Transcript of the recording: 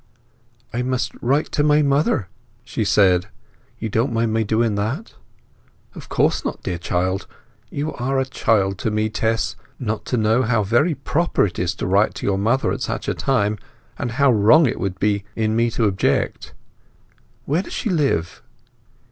"I must write to my mother," she said. "You don't mind my doing that?" "Of course not, dear child. You are a child to me, Tess, not to know how very proper it is to write to your mother at such a time, and how wrong it would be in me to object. Where does she live?"